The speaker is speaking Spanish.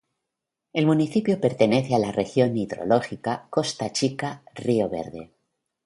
El municipio pertenece a la región hidrológica Costa Chica-Río Verde.